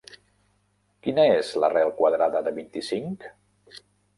Quina és l'arrel quadrada de vint-i-cinc?